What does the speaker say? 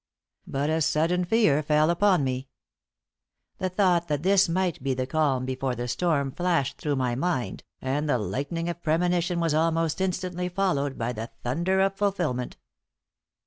But a sudden fear fell upon me. The thought that this might be the calm before the storm flashed through my mind, and the lightning of premonition was almost instantly followed by the thunder of fulfilment.